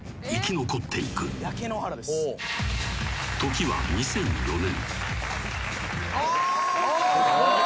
［時は２００４年］